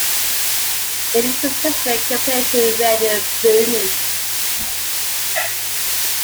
It is a sister company to Radio Bhumi.